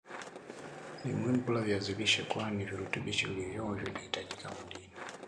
Ni muhimu kula viazi lishe kwani virutubishi vilivyomo vinahitajika mwilini